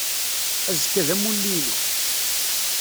Azekka d amulli-inu.